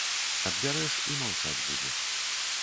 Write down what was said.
Адбярэш, і маўчаць будзе.